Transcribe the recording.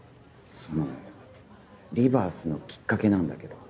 そのリバースのきっかけなんだけど。